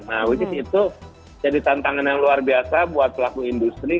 nah which is itu jadi tantangan yang luar biasa buat pelaku industri